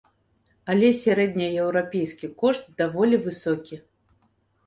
Але сярэднееўрапейскі кошт даволі высокі.